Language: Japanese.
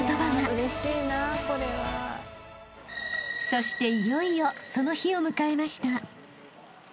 ［そしていよいよその日を迎えました］